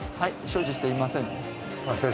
所持していません。